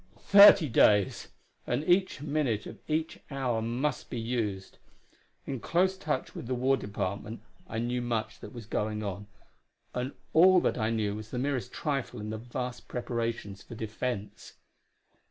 Thirty days! and each minute of each hour must be used. In close touch with the War Department, I knew much that was going on, and all that I knew was the merest trifle in the vast preparations for defense.